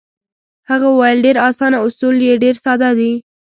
هغه وویل: ډېر اسانه، اصول یې ډېر ساده دي.